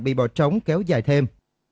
bị bỏ trống kéo dài thêm